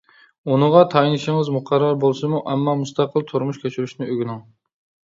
ئۇنىڭغا تايىنىشىڭىز مۇقەررەر بولسىمۇ، ئەمما مۇستەقىل تۇرمۇش كەچۈرۈشنى ئۆگىنىڭ.